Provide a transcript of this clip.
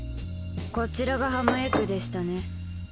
こちらがハムエッグでしたね。